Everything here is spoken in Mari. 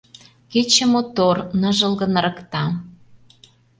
Кече мотор, ныжылгын ырыкта.